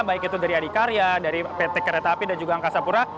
baik itu dari adikarya dari pt kereta api dan juga angkasa pura